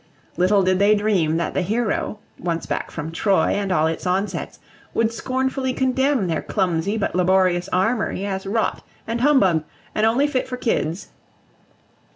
Little did they dream that the hero, once back from Troy and all its onsets, would scornfully condemn their clumsy but laborious armoury as rot and humbug and only fit for kids!